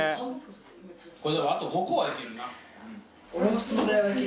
これでもあと５個はいけるな。